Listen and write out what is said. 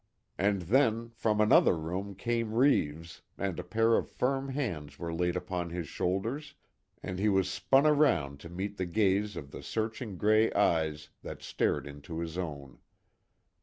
And then, from another room came Reeves, and a pair of firm hands were laid upon his shoulders and he was spun around to meet the gaze of the searching grey eyes that stared into his own.